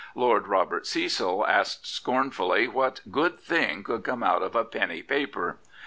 Lord Robert Cecil asked scornfully what good thing could come out of a penny paper.